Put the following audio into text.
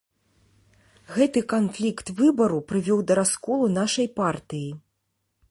Гэты канфлікт выбару прывёў да расколу нашай партыі.